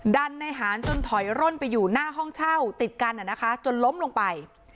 ดันในหารจนถอยร่นไปอยู่หน้าห้องเช่าติดกันจนล้มลงไป